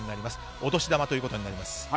お年玉ということになります。